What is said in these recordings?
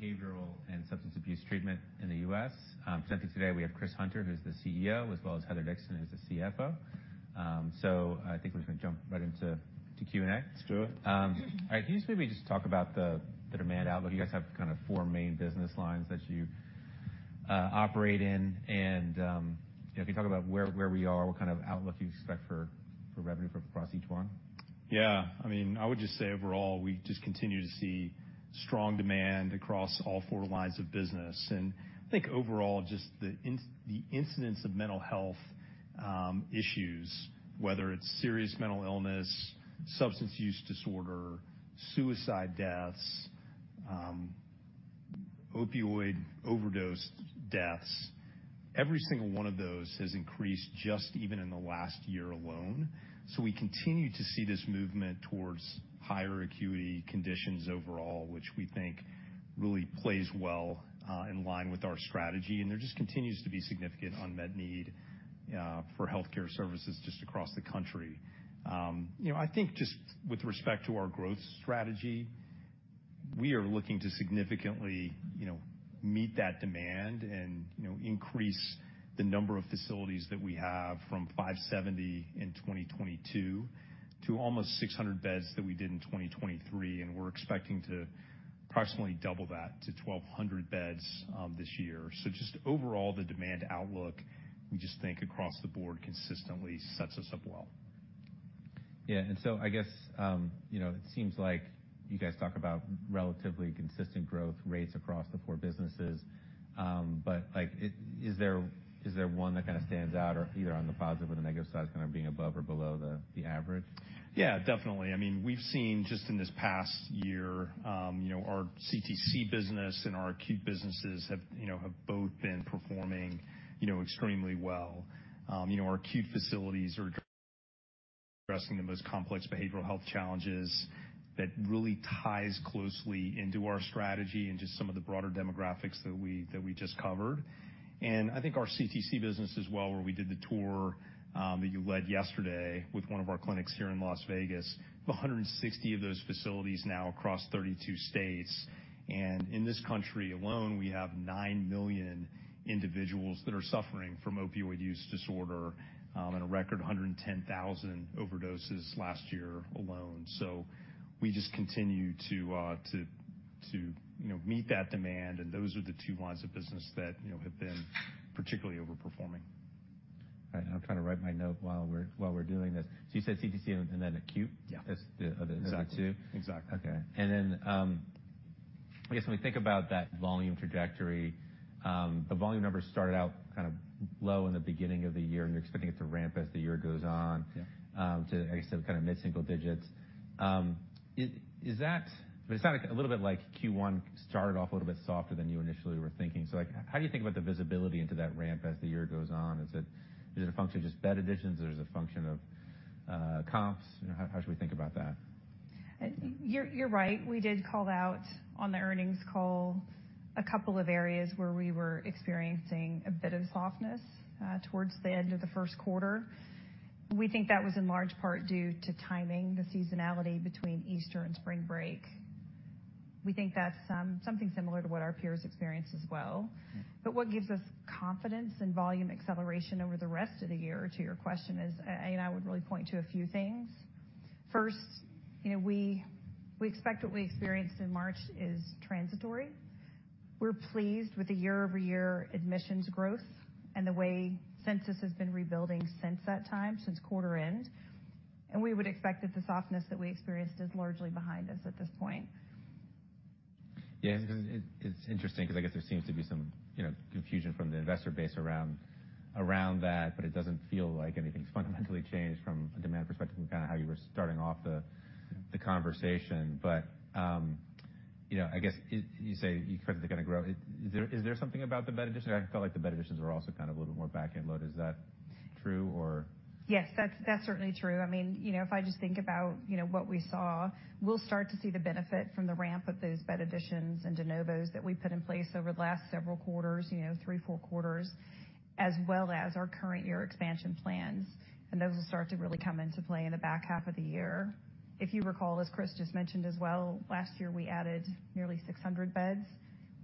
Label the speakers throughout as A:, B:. A: Acadia is the largest pure-play provider of behavioral and substance abuse treatment in the US. Presenting today, we have Chris Hunter, who's the CEO, as well as Heather Dixon, who's the CFO. I think we're just gonna jump right into Q&A.
B: Let's do it.
A: All right. Can you just maybe talk about the demand outlook? You guys have kind of four main business lines that you operate in. And, you know, can you talk about where we are, what kind of outlook you expect for revenue from across each one?
B: Yeah. I mean, I would just say overall, we just continue to see strong demand across all four lines of business. And I think overall, just in the incidence of mental health issues, whether it's serious mental illness, substance use disorder, suicide deaths, opioid overdose deaths, every single one of those has increased just even in the last year alone. So we continue to see this movement towards higher acuity conditions overall, which we think really plays well in line with our strategy. And there just continues to be significant unmet need for healthcare services just across the country. You know, I think just with respect to our growth strategy, we are looking to significantly, you know, meet that demand and, you know, increase the number of facilities that we have from 570 in 2022 to almost 600 beds that we did in 2023. We're expecting to approximately double that to 1,200 beds this year. Just overall, the demand outlook, we just think across the board consistently sets us up well.
A: Yeah. And so I guess, you know, it seems like you guys talk about relatively consistent growth rates across the four businesses. But, like, is there one that kind of stands out, or either on the positive or the negative side, kind of being above or below the average?
B: Yeah, definitely. I mean, we've seen just in this past year, you know, our CTC business and our acute businesses have, you know, have both been performing, you know, extremely well. You know, our acute facilities are addressing the most complex behavioral health challenges that really ties closely into our strategy and just some of the broader demographics that we just covered. And I think our CTC business as well, where we did the tour that you led yesterday with one of our clinics here in Las Vegas, we have 160 of those facilities now across 32 states. And in this country alone, we have 9 million individuals that are suffering from opioid use disorder, and a record 110,000 overdoses last year alone. So we just continue to, you know, meet that demand. Those are the two lines of business that, you know, have been particularly overperforming.
A: All right. I'm trying to write my note while we're doing this. So you said CTC and then acute?
B: Yeah.
A: That's the other two?
B: Exactly. Exactly.
A: Okay. And then, I guess when we think about that volume trajectory, the volume numbers started out kind of low in the beginning of the year, and you're expecting it to ramp as the year goes on.
B: Yeah.
A: To, I guess, to kind of mid-single digits. Is that, but it's not like a little bit like Q1 started off a little bit softer than you initially were thinking. So, like, how do you think about the visibility into that ramp as the year goes on? Is it a function of just bed additions, or is it a function of comps? You know, how should we think about that?
C: You're right. We did call out on the earnings call a couple of areas where we were experiencing a bit of softness, towards the end of the first quarter. We think that was in large part due to timing, the seasonality between Easter and spring break. We think that's something similar to what our peers experience as well. But what gives us confidence in volume acceleration over the rest of the year, to your question, is and I would really point to a few things. First, you know, we expect what we experienced in March is transitory. We're pleased with the year-over-year admissions growth and the way census has been rebuilding since that time, since quarter end. And we would expect that the softness that we experienced is largely behind us at this point.
A: Yeah. It's 'cause it's interesting 'cause I guess there seems to be some, you know, confusion from the investor base around, around that, but it doesn't feel like anything's fundamentally changed from a demand perspective from kind of how you were starting off the, the conversation. But, you know, I guess it you say you expect that they're gonna grow. Is there something about the bed additions? I felt like the bed additions were also kind of a little bit more backend load. Is that true, or?
C: Yes. That's, that's certainly true. I mean, you know, if I just think about, you know, what we saw, we'll start to see the benefit from the ramp of those bed additions and de novos that we put in place over the last several quarters, you know, 3, 4 quarters, as well as our current year expansion plans. And those will start to really come into play in the back half of the year. If you recall, as Chris just mentioned as well, last year we added nearly 600 beds.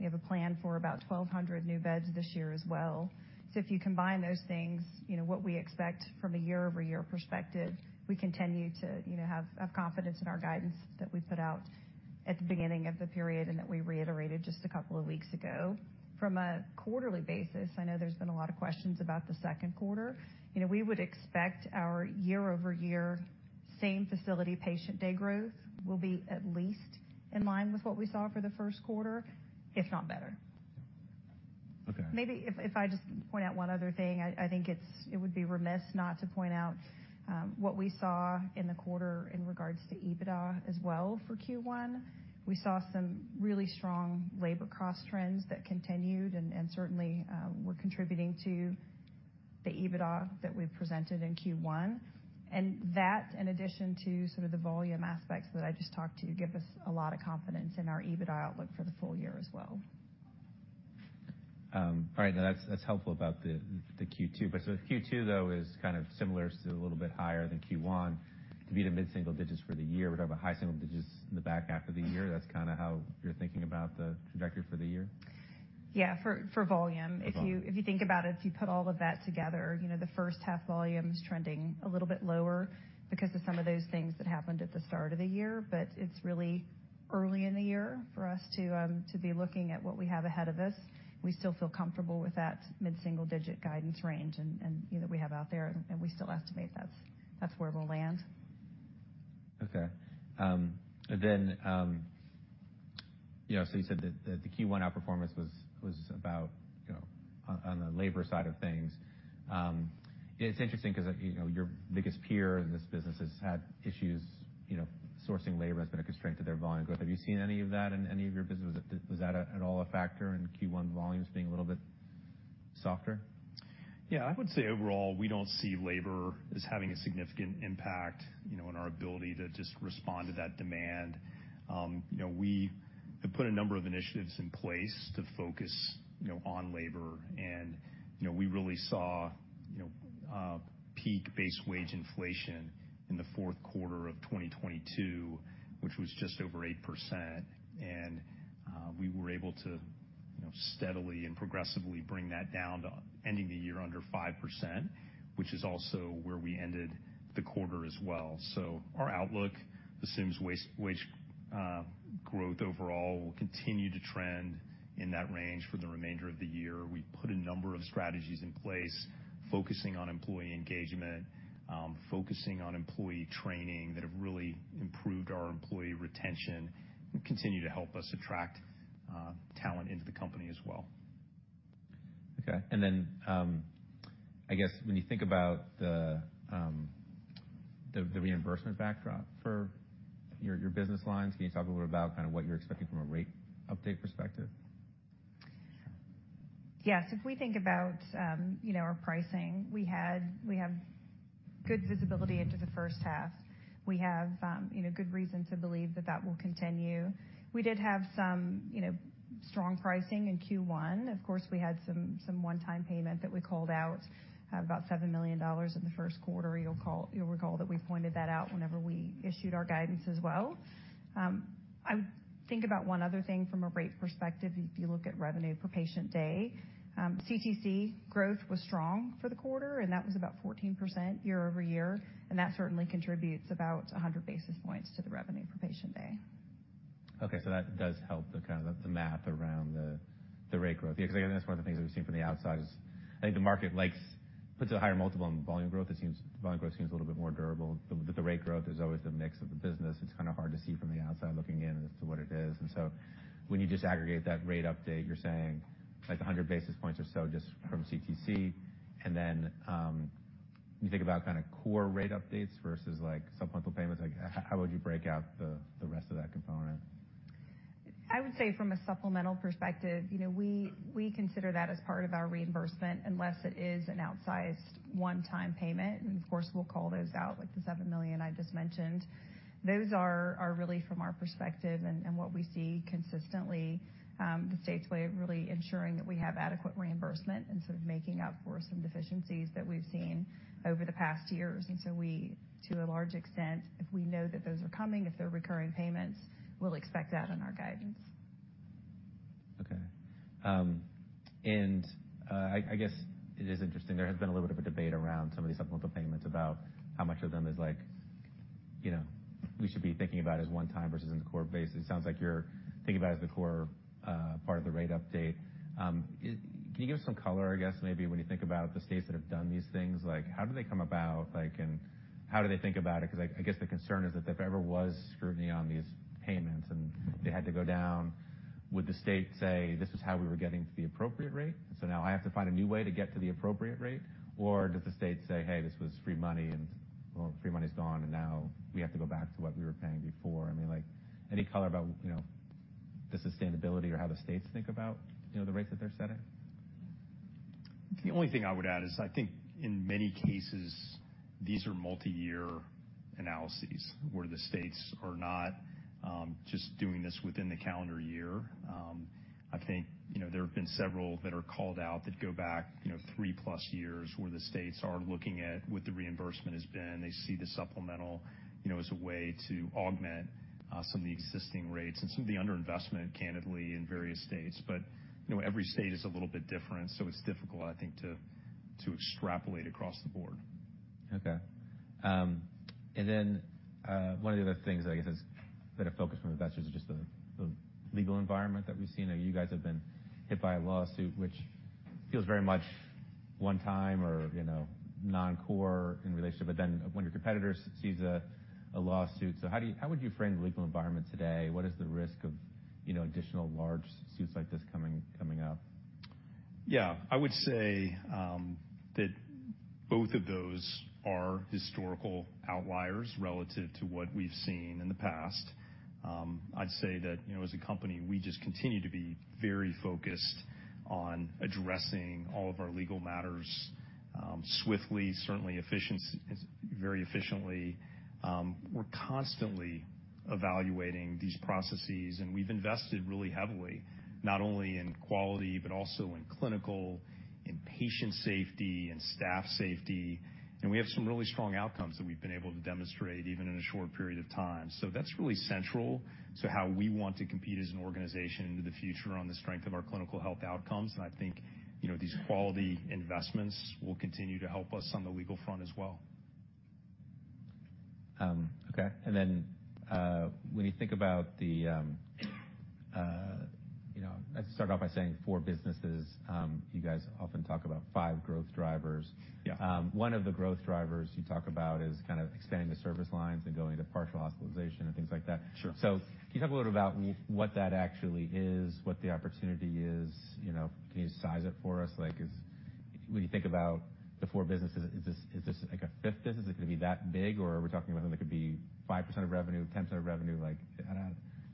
C: We have a plan for about 1,200 new beds this year as well. So if you combine those things, you know, what we expect from a year-over-year perspective, we continue to, you know, have, have confidence in our guidance that we put out at the beginning of the period and that we reiterated just a couple of weeks ago. From a quarterly basis, I know there's been a lot of questions about the second quarter. You know, we would expect our year-over-year same facility patient day growth will be at least in line with what we saw for the first quarter, if not better.
A: Okay.
C: Maybe if I just point out one other thing, I think it would be remiss not to point out what we saw in the quarter in regards to EBITDA as well for Q1. We saw some really strong labor cost trends that continued and certainly were contributing to the EBITDA that we presented in Q1. And that, in addition to sort of the volume aspects that I just talked to, give us a lot of confidence in our EBITDA outlook for the full year as well.
A: All right. Now that's, that's helpful about the, the Q2. But so Q2, though, is kind of similar to a little bit higher than Q1. To be the mid-single digits for the year, we're talking about high single digits in the back half of the year. That's kind of how you're thinking about the trajectory for the year?
C: Yeah. For volume. If you think about it, if you put all of that together, you know, the first half volume is trending a little bit lower because of some of those things that happened at the start of the year. But it's really early in the year for us to be looking at what we have ahead of us. We still feel comfortable with that mid-single digit guidance range and, you know, that we have out there. And we still estimate that's where we'll land.
A: Okay. And then, you know, so you said that the Q1 outperformance was about, you know, on the labor side of things. It's interesting 'cause, you know, your biggest peer in this business has had issues, you know, sourcing labor has been a constraint to their volume growth. Have you seen any of that in any of your business? Was that at all a factor in Q1 volumes being a little bit softer?
B: Yeah. I would say overall, we don't see labor as having a significant impact, you know, on our ability to just respond to that demand. You know, we have put a number of initiatives in place to focus, you know, on labor. And, you know, we really saw, you know, peak base wage inflation in the fourth quarter of 2022, which was just over 8%. And, we were able to, you know, steadily and progressively bring that down to ending the year under 5%, which is also where we ended the quarter as well. So our outlook assumes wage growth overall will continue to trend in that range for the remainder of the year. We put a number of strategies in place focusing on employee engagement, focusing on employee training that have really improved our employee retention and continue to help us attract talent into the company as well.
A: Okay. And then, I guess when you think about the reimbursement backdrop for your business lines, can you talk a little bit about kind of what you're expecting from a rate update perspective?
C: Sure. Yes. If we think about, you know, our pricing, we have good visibility into the first half. We have, you know, good reason to believe that that will continue. We did have some, you know, strong pricing in Q1. Of course, we had some one-time payment that we called out, about $7 million in the first quarter. You'll recall that we pointed that out whenever we issued our guidance as well. I would think about one other thing from a rate perspective. If you look at revenue per patient day, CTC growth was strong for the quarter, and that was about 14% year-over-year. And that certainly contributes about 100 basis points to the revenue per patient day.
A: Okay. So that does help the kind of the math around the rate growth. Yeah. 'Cause I guess that's one of the things that we've seen from the outside is I think the market likes puts a higher multiple on volume growth. It seems volume growth seems a little bit more durable. The rate growth is always the mix of the business. It's kind of hard to see from the outside looking in as to what it is. And so when you disaggregate that rate update, you're saying, like, 100 basis points or so just from CTC. And then, when you think about kind of core rate updates versus, like, supplemental payments, like, how would you break out the rest of that component?
C: I would say from a supplemental perspective, you know, we consider that as part of our reimbursement unless it is an outsized one-time payment. And of course, we'll call those out, like the $7 million I just mentioned. Those are really from our perspective and what we see consistently, the state's way of really ensuring that we have adequate reimbursement and sort of making up for some deficiencies that we've seen over the past years. And so, to a large extent, if we know that those are coming, if they're recurring payments, we'll expect that in our guidance.
A: Okay. I guess it is interesting. There has been a little bit of a debate around some of these supplemental payments about how much of them is, like, you know, we should be thinking about as one-time versus in the core basis. It sounds like you're thinking about it as the core, part of the rate update. Can you give us some color, I guess, maybe when you think about the states that have done these things? Like, how do they come about, like, and how do they think about it? 'Cause I, I guess the concern is that if ever was scrutiny on these payments and they had to go down, would the state say, "This is how we were getting to the appropriate rate, and so now I have to find a new way to get to the appropriate rate," or does the state say, "Hey, this was free money, and well, free money's gone, and now we have to go back to what we were paying before"? I mean, like, any color about, you know, the sustainability or how the states think about, you know, the rates that they're setting?
B: The only thing I would add is I think in many cases, these are multi-year analyses where the states are not just doing this within the calendar year. I think, you know, there have been several that are called out that go back, you know, three-plus years where the states are looking at what the reimbursement has been. They see the supplemental, you know, as a way to augment some of the existing rates and some of the underinvestment, candidly, in various states. But, you know, every state is a little bit different, so it's difficult, I think, to extrapolate across the board.
A: Okay. And then, one of the other things that I guess has been a focus from investors is just the legal environment that we've seen. I mean, you guys have been hit by a lawsuit, which feels very much one-time or, you know, non-core in relationship. But then one of your competitors sees a lawsuit. So how would you frame the legal environment today? What is the risk of, you know, additional large suits like this coming up?
B: Yeah. I would say that both of those are historical outliers relative to what we've seen in the past. I'd say that, you know, as a company, we just continue to be very focused on addressing all of our legal matters, swiftly and efficiently. We're constantly evaluating these processes. And we've invested really heavily not only in quality but also in clinical, in patient safety, in staff safety. And we have some really strong outcomes that we've been able to demonstrate even in a short period of time. So that's really central to how we want to compete as an organization into the future on the strength of our clinical health outcomes. And I think, you know, these quality investments will continue to help us on the legal front as well.
A: Okay. And then, when you think about the, you know, I have to start off by saying four businesses. You guys often talk about five growth drivers.
B: Yeah.
A: One of the growth drivers you talk about is kind of expanding the service lines and going to partial hospitalization and things like that.
B: Sure.
A: So can you talk a little bit about what that actually is, what the opportunity is? You know, can you size it for us? Like, is when you think about the four businesses, is this like a fifth business? Is it gonna be that big, or are we talking about something that could be 5% of revenue, 10% of revenue? Like,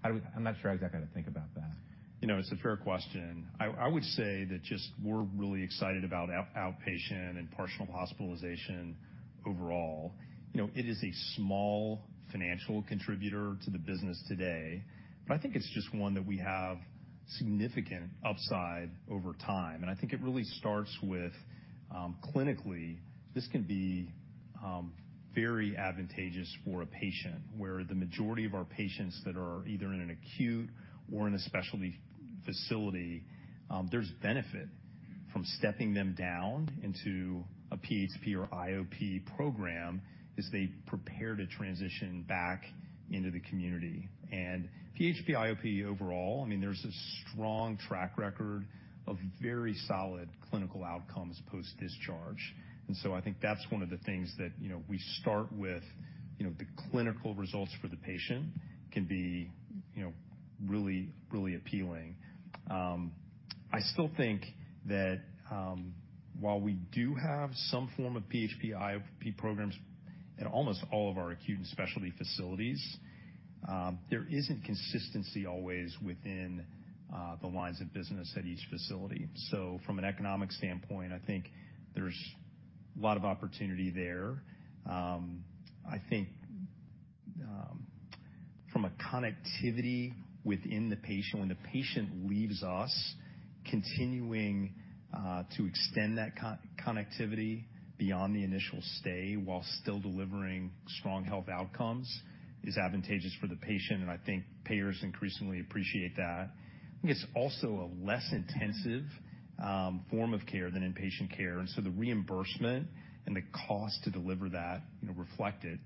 A: how do we? I'm not sure how exactly to think about that.
B: You know, it's a fair question. I would say that just we're really excited about outpatient and partial hospitalization overall. You know, it is a small financial contributor to the business today, but I think it's just one that we have significant upside over time. I think it really starts with, clinically, this can be very advantageous for a patient where the majority of our patients that are either in an acute or in a specialty facility, there's benefit from stepping them down into a PHP or IOP program as they prepare to transition back into the community. PHP, IOP overall, I mean, there's a strong track record of very solid clinical outcomes post-discharge. So I think that's one of the things that, you know, we start with. You know, the clinical results for the patient can be, you know, really, really appealing. I still think that, while we do have some form of PHP, IOP programs at almost all of our acute and specialty facilities, there isn't consistency always within the lines of business at each facility. So from an economic standpoint, I think there's a lot of opportunity there. I think, from a connectivity within the patient, when the patient leaves us, continuing to extend that connectivity beyond the initial stay while still delivering strong health outcomes is advantageous for the patient. And I think payers increasingly appreciate that. I think it's also a less intensive form of care than inpatient care. And so the reimbursement and the cost to deliver that, you know, reflect it.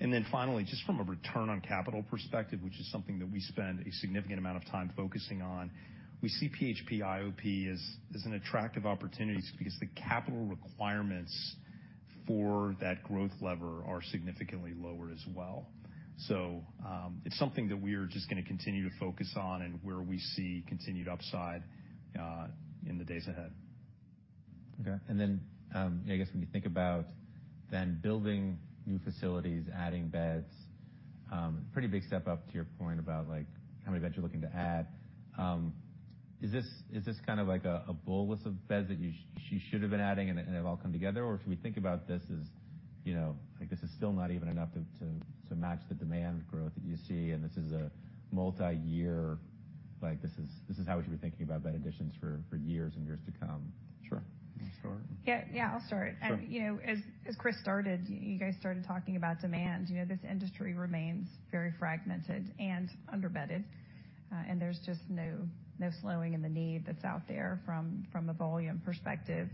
B: And then finally, just from a return on capital perspective, which is something that we spend a significant amount of time focusing on, we see PHP, IOP as an attractive opportunity because the capital requirements for that growth lever are significantly lower as well. So, it's something that we are just gonna continue to focus on and where we see continued upside in the days ahead.
A: Okay. And then, I guess when you think about then building new facilities, adding beds, pretty big step up to your point about, like, how many beds you're looking to add. Is this kind of like a bullet list of beds that you should have been adding, and it all come together? Or should we think about this as, you know, like, this is still not even enough to match the demand growth that you see, and this is a multi-year like, this is how we should be thinking about bed additions for years and years to come?
B: Sure. You wanna start?
C: Yeah. Yeah. I'll start.
A: Sure.
C: You know, as Chris started, you guys started talking about demand. You know, this industry remains very fragmented and underbedded. There's just no slowing in the need that's out there from a volume perspective.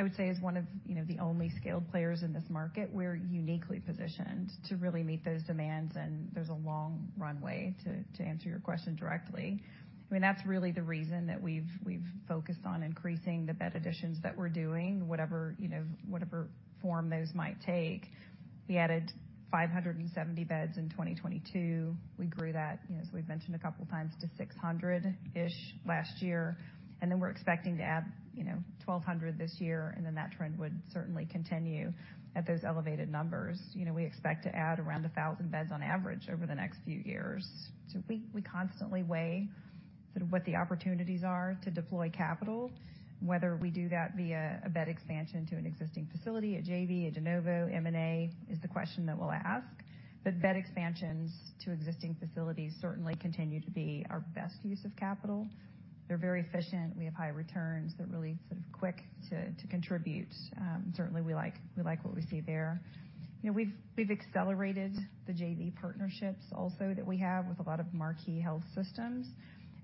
C: I would say as one of, you know, the only scaled players in this market, we're uniquely positioned to really meet those demands, and there's a long runway to answer your question directly. I mean, that's really the reason that we've focused on increasing the bed additions that we're doing, whatever, you know, whatever form those might take. We added 570 beds in 2022. We grew that, you know, as we've mentioned a couple of times, to 600-ish last year. Then we're expecting to add, you know, 1,200 this year, and then that trend would certainly continue at those elevated numbers. You know, we expect to add around 1,000 beds on average over the next few years. So we, we constantly weigh sort of what the opportunities are to deploy capital, whether we do that via a bed expansion to an existing facility, a JV, a de novo, M&A is the question that we'll ask. But bed expansions to existing facilities certainly continue to be our best use of capital. They're very efficient. We have high returns. They're really sort of quick to, to contribute. Certainly, we like what we see there. You know, we've, we've accelerated the JV partnerships also that we have with a lot of marquee health systems.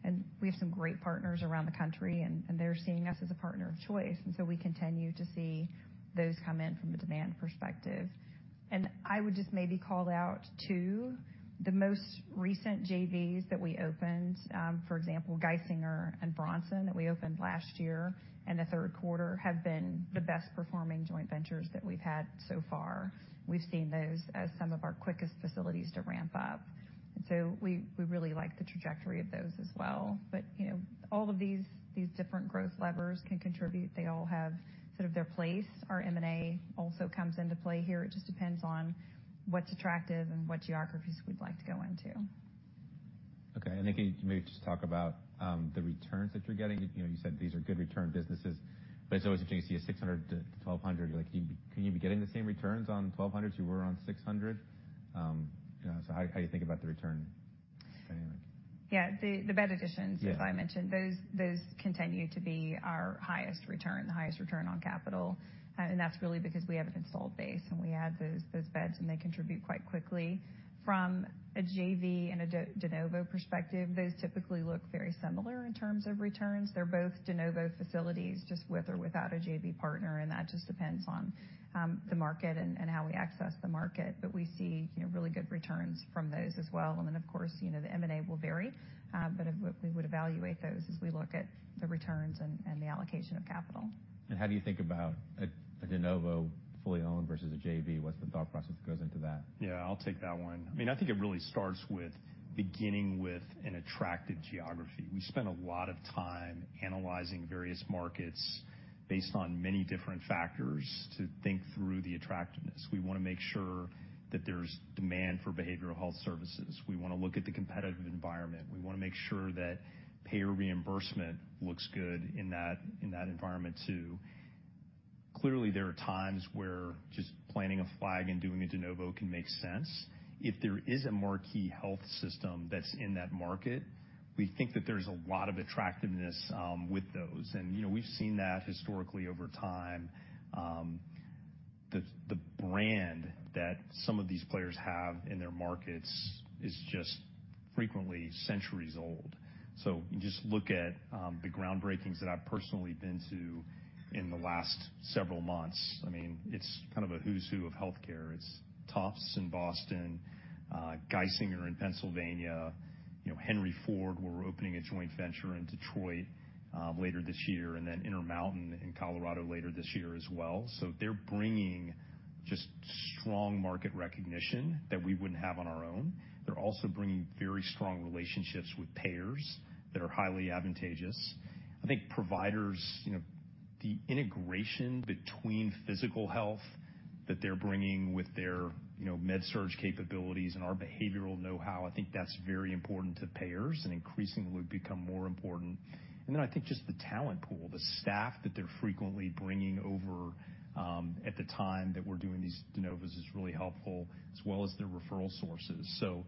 C: And we have some great partners around the country, and, and they're seeing us as a partner of choice. And so we continue to see those come in from a demand perspective. And I would just maybe call out to the most recent JVs that we opened, for example, Geisinger and Bronson that we opened last year and the third quarter have been the best-performing joint ventures that we've had so far. We've seen those as some of our quickest facilities to ramp up. And so we, we really like the trajectory of those as well. But, you know, all of these, these different growth levers can contribute. They all have sort of their place. Our M&A also comes into play here. It just depends on what's attractive and what geographies we'd like to go into.
A: Okay. Then can you maybe just talk about the returns that you're getting? You know, you said these are good-return businesses, but it's always interesting to see a 600-1,200. You're like, "Can you be can you be getting the same returns on 1,200 as you were on 600?" you know, so how do you think about the return dynamic?
C: Yeah. The bed additions, as I mentioned, those continue to be our highest return, the highest return on capital. That's really because we have an installed base, and we add those beds, and they contribute quite quickly. From a JV and a De Novo perspective, those typically look very similar in terms of returns. They're both De Novo facilities just with or without a JV partner, and that just depends on the market and how we access the market. But we see, you know, really good returns from those as well. And then, of course, you know, the M&A will vary, but of what we would evaluate those as we look at the returns and the allocation of capital.
A: How do you think about a de novo fully owned versus a JV? What's the thought process that goes into that?
B: Yeah. I'll take that one. I mean, I think it really starts with beginning with an attractive geography. We spend a lot of time analyzing various markets based on many different factors to think through the attractiveness. We wanna make sure that there's demand for behavioral health services. We wanna look at the competitive environment. We wanna make sure that payer reimbursement looks good in that in that environment too. Clearly, there are times where just planting a flag and doing a de novo can make sense. If there is a marquee health system that's in that market, we think that there's a lot of attractiveness with those. And, you know, we've seen that historically over time. The brand that some of these players have in their markets is just frequently centuries old. So you just look at the groundbreakings that I've personally been to in the last several months. I mean, it's kind of a who's who of healthcare. It's Tufts in Boston, Geisinger in Pennsylvania, you know, Henry Ford where we're opening a joint venture in Detroit, later this year, and then Intermountain in Colorado later this year as well. So they're bringing just strong market recognition that we wouldn't have on our own. They're also bringing very strong relationships with payers that are highly advantageous. I think providers, you know, the integration between physical health that they're bringing with their, you know, med-surg capabilities and our behavioral know-how, I think that's very important to payers and increasingly become more important. And then I think just the talent pool, the staff that they're frequently bringing over, at the time that we're doing these de novos is really helpful, as well as their referral sources. So,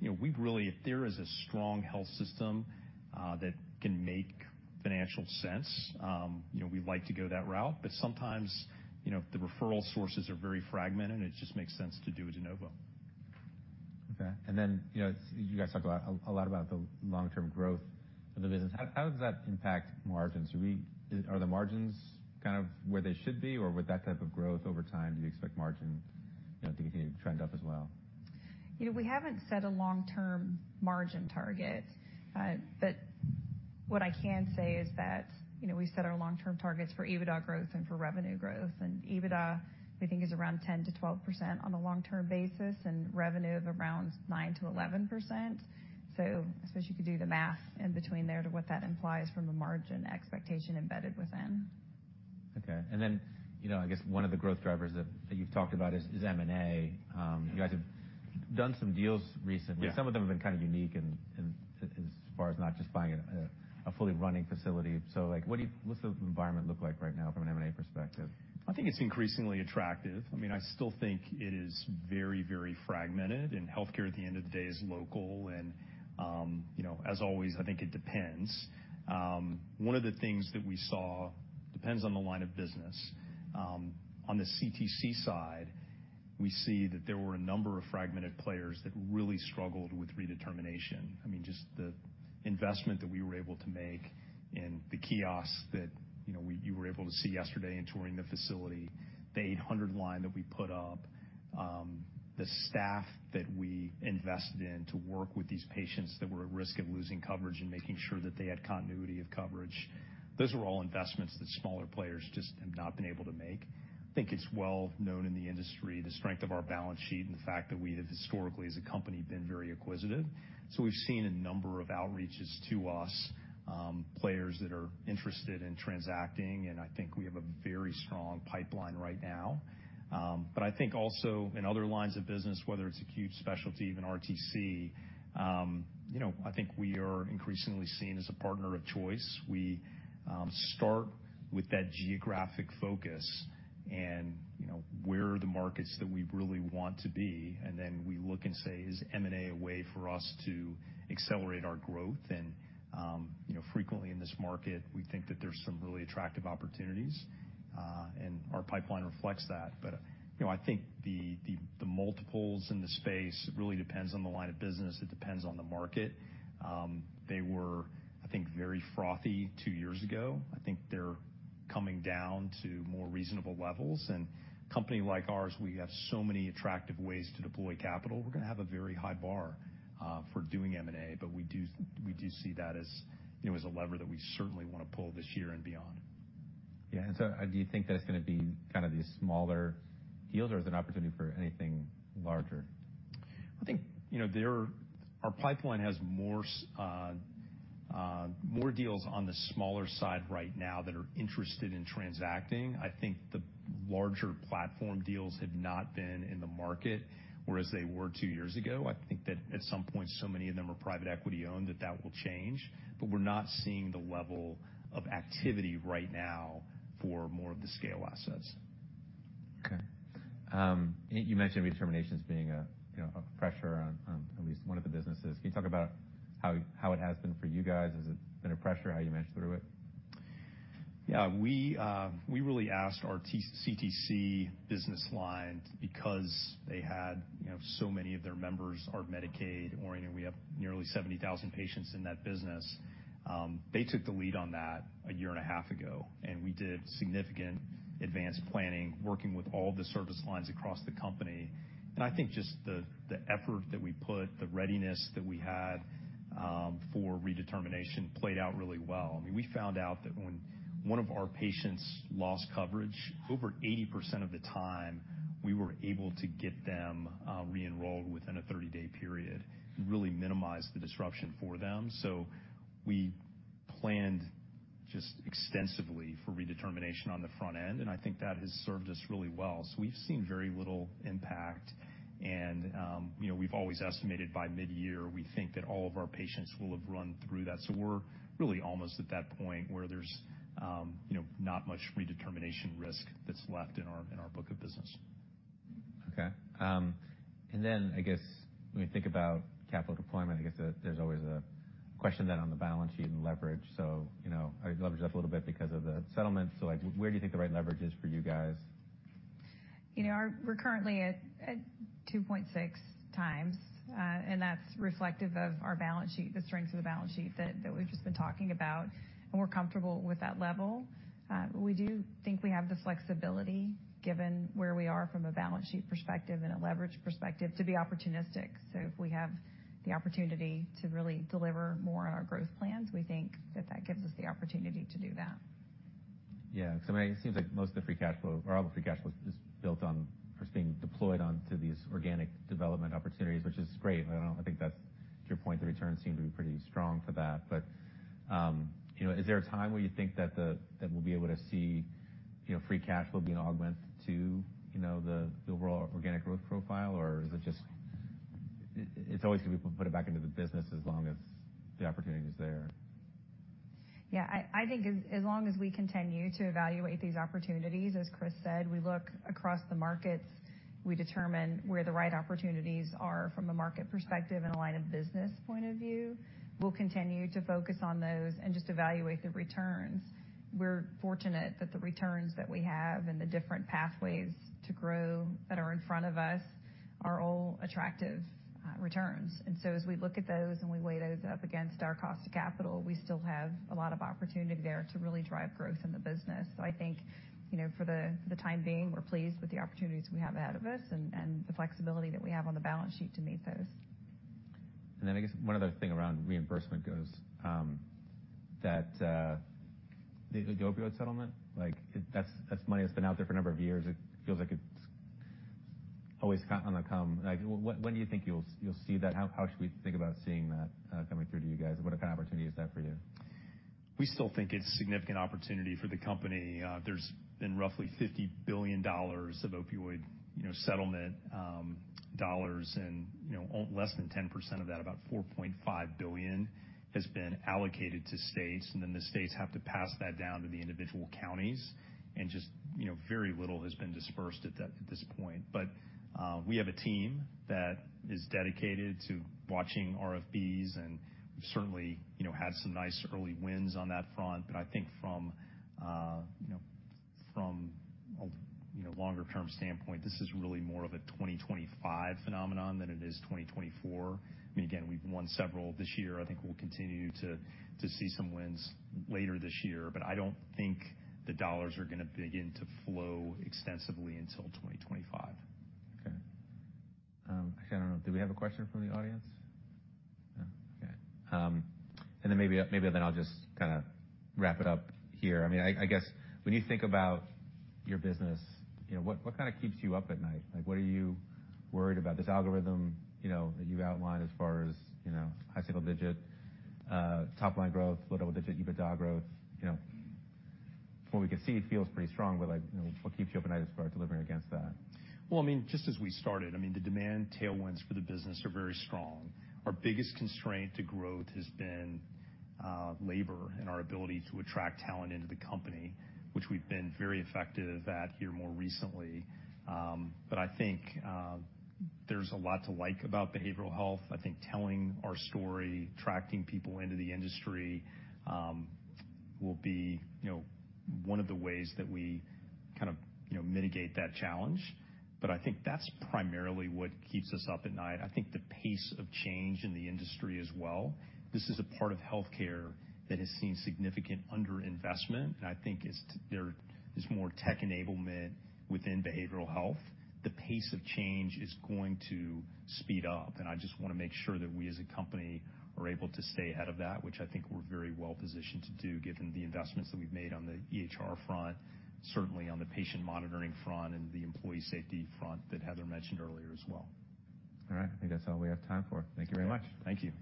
B: you know, we've really if there is a strong health system that can make financial sense, you know, we like to go that route. But sometimes, you know, if the referral sources are very fragmented, it just makes sense to do a de novo.
A: Okay. And then, you know, you guys talk a lot, a lot about the long-term growth of the business. How does that impact margins? Are we the margins kind of where they should be, or with that type of growth over time, do you expect margin, you know, to continue to trend up as well?
C: You know, we haven't set a long-term margin target. But what I can say is that, you know, we set our long-term targets for EBITDA growth and for revenue growth. And EBITDA, we think, is around 10%-12% on a long-term basis and revenue of around 9%-11%. So I suppose you could do the math in between there to what that implies from a margin expectation embedded within.
A: Okay. And then, you know, I guess one of the growth drivers that you've talked about is M&A. You guys have done some deals recently. Some of them have been kind of unique in as far as not just buying a fully running facility. So, like, what's the environment look like right now from an M&A perspective?
B: I think it's increasingly attractive. I mean, I still think it is very, very fragmented, and healthcare, at the end of the day, is local. And, you know, as always, I think it depends. One of the things that we saw depends on the line of business. On the CTC side, we see that there were a number of fragmented players that really struggled with redetermination. I mean, just the investment that we were able to make in the kiosks that, you know, we you were able to see yesterday in touring the facility, the 800 line that we put up, the staff that we invested in to work with these patients that were at risk of losing coverage and making sure that they had continuity of coverage. Those are all investments that smaller players just have not been able to make. I think it's well known in the industry, the strength of our balance sheet and the fact that we have historically, as a company, been very acquisitive. So we've seen a number of outreaches to us, players that are interested in transacting. And I think we have a very strong pipeline right now. But I think also in other lines of business, whether it's acute specialty, even RTC, you know, I think we are increasingly seen as a partner of choice. We, start with that geographic focus and, you know, where are the markets that we really want to be? And then we look and say, "Is M&A a way for us to accelerate our growth?" And, you know, frequently in this market, we think that there's some really attractive opportunities. And our pipeline reflects that. But, you know, I think the multiples in the space, it really depends on the line of business. It depends on the market. They were, I think, very frothy two years ago. I think they're coming down to more reasonable levels. A company like ours, we have so many attractive ways to deploy capital. We're gonna have a very high bar for doing M&A, but we do see that as, you know, as a lever that we certainly wanna pull this year and beyond.
A: Yeah. And so, do you think that it's gonna be kind of these smaller deals, or is it an opportunity for anything larger?
B: I think, you know, there are our pipeline has more, more deals on the smaller side right now that are interested in transacting. I think the larger platform deals have not been in the market whereas they were two years ago. I think that at some point, so many of them are private equity owned that that will change. But we're not seeing the level of activity right now for more of the scale assets.
A: Okay. You mentioned redeterminations being a, you know, a pressure on, on at least one of the businesses. Can you talk about how, how it has been for you guys? Has it been a pressure, how you managed through it?
B: Yeah. We, we really asked our CTC business line because they had, you know, so many of their members are Medicaid-oriented. We have nearly 70,000 patients in that business. They took the lead on that a year and a half ago. And we did significant advanced planning, working with all the service lines across the company. And I think just the, the effort that we put, the readiness that we had, for redetermination played out really well. I mean, we found out that when one of our patients lost coverage, over 80% of the time, we were able to get them, re-enrolled within a 30-day period, really minimized the disruption for them. So we planned just extensively for redetermination on the front end, and I think that has served us really well. So we've seen very little impact. You know, we've always estimated by midyear, we think that all of our patients will have run through that. So we're really almost at that point where there's, you know, not much redetermination risk that's left in our book of business.
A: Okay. Then I guess when we think about capital deployment, I guess that there's always a question then on the balance sheet and leverage. So, you know, I leveraged that a little bit because of the settlement. So, like, where do you think the right leverage is for you guys?
C: You know, we're currently at 2.6x. That's reflective of our balance sheet, the strengths of the balance sheet that we've just been talking about. We're comfortable with that level. We do think we have the flexibility given where we are from a balance sheet perspective and a leverage perspective to be opportunistic. So if we have the opportunity to really deliver more on our growth plans, we think that that gives us the opportunity to do that.
A: Yeah. 'Cause I mean, it seems like most of the free cash flow or all the free cash flow is built on or is being deployed onto these organic development opportunities, which is great. I don't know. I think that's, to your point, the returns seem to be pretty strong for that. But, you know, is there a time where you think that we'll be able to see, you know, free cash flow being augmented to, you know, the overall organic growth profile, or is it just it's always gonna be put it back into the business as long as the opportunity is there?
C: Yeah. I think as long as we continue to evaluate these opportunities, as Chris said, we look across the markets, we determine where the right opportunities are from a market perspective and a line of business point of view. We'll continue to focus on those and just evaluate the returns. We're fortunate that the returns that we have and the different pathways to grow that are in front of us are all attractive returns. And so as we look at those and we weigh those up against our cost of capital, we still have a lot of opportunity there to really drive growth in the business. So I think, you know, for the time being, we're pleased with the opportunities we have ahead of us and the flexibility that we have on the balance sheet to meet those.
A: And then I guess one other thing around reimbursement goes, that, the opioid settlement, like, that's money that's been out there for a number of years. It feels like it's always coming under. Like, when do you think you'll see that? How should we think about seeing that, coming through to you guys? What kind of opportunity is that for you?
B: We still think it's a significant opportunity for the company. There's been roughly $50 billion of opioid, you know, settlement dollars. And, you know, only less than 10% of that, about $4.5 billion, has been allocated to states. And then the states have to pass that down to the individual counties. And just, you know, very little has been dispersed at that at this point. But we have a team that is dedicated to watching RFPs. And we've certainly, you know, had some nice early wins on that front. But I think from, you know, from a, you know, longer-term standpoint, this is really more of a 2025 phenomenon than it is 2024. I mean, again, we've won several this year. I think we'll continue to, to see some wins later this year. But I don't think the dollars are gonna begin to flow extensively until 2025.
A: Okay. Actually, I don't know. Do we have a question from the audience? No? Okay. And then maybe, maybe then I'll just kinda wrap it up here. I mean, I, I guess when you think about your business, you know, what, what kinda keeps you up at night? Like, what are you worried about? This algorithm, you know, that you outlined as far as, you know, high single-digit top-line growth, low double-digit EBITDA growth, you know, from what we can see, it feels pretty strong. But, like, you know, what keeps you up at night as far as delivering against that?
B: Well, I mean, just as we started, I mean, the demand tailwinds for the business are very strong. Our biggest constraint to growth has been labor and our ability to attract talent into the company, which we've been very effective at here more recently. I think there's a lot to like about behavioral health. I think telling our story, attracting people into the industry, will be, you know, one of the ways that we kind of, you know, mitigate that challenge. But I think that's primarily what keeps us up at night. I think the pace of change in the industry as well. This is a part of healthcare that has seen significant underinvestment. I think it's that there is more tech enablement within behavioral health. The pace of change is going to speed up. I just wanna make sure that we, as a company, are able to stay ahead of that, which I think we're very well positioned to do given the investments that we've made on the EHR front, certainly on the patient monitoring front and the employee safety front that Heather mentioned earlier as well.
A: All right. I think that's all we have time for. Thank you very much.
B: Thank you.